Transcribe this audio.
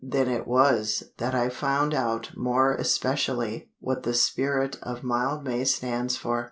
Then it was that I found out more especially what the spirit of Mildmay stands for.